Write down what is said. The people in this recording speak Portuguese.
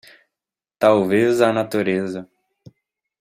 Talvez a natureza